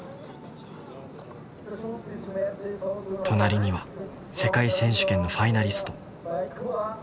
隣には世界選手権のファイナリスト。